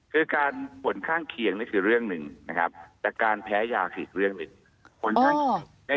คือการผลข้างเคียงนี่คือเรื่องหนึ่งนะครับแต่การแพ้ยาคืออีกเรื่องหนึ่ง